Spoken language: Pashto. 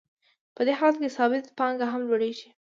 په دې حالت کې ثابته پانګه هم لوړېږي